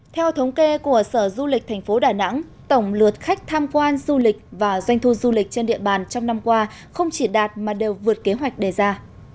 theo thống kê của sở du lịch thành phố đà nẵng tổng lượt khách tham quan du lịch và doanh thu du lịch trên địa bàn trong năm qua không chỉ đạt mà đều vượt kế hoạch đề ra